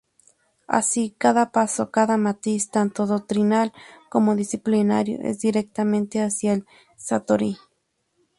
Así, cada paso, cada matiz, tanto doctrinal como disciplinario, es directamente hacia el Satori.